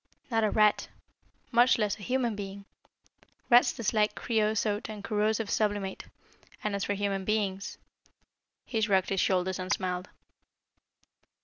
"Not a rat much less a human being. Rats dislike creosote and corrosive sublimate, and as for human beings " He shrugged his shoulders and smiled.